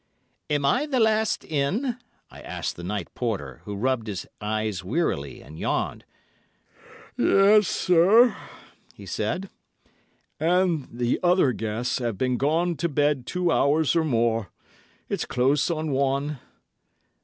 "Am I the last in?" I asked the night porter, who rubbed his eyes wearily and yawned. "Yes, sir," he said; "the other guests have been gone to bed two hours or more. It's close on one."